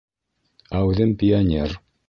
Әүҙем пионер.